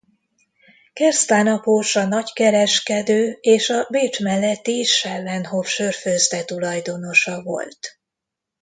Kerstan apósa nagykereskedő és a Bécs melletti Schellenhof sörfőzde tulajdonosa volt.